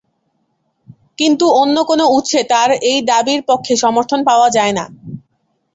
কিন্তু অন্য কোন উৎসে তাঁর এই দাবীর পক্ষে সমর্থন পাওয়া যায়না।